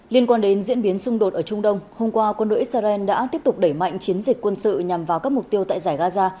liên quan đến diễn biến xung đột ở trung đông hôm qua quân đội israel đã tiếp tục đẩy mạnh chiến dịch quân sự nhằm vào các mục tiêu tại giải gaza